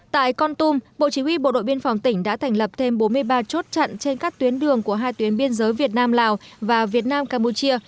tại con tum bộ chí huy bộ đội biên phòng tỉnh đã thành lập thêm bốn mươi ba chốt chặn trên các tuyến đường của hai tuyến biên giới việt nam lào và việt nam campuchia